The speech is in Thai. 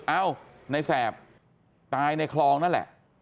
เอ้าในแสบตายในคลองนั่นแหละ